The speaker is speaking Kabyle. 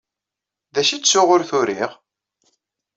D acu ay ttuɣ ur t-uriɣ?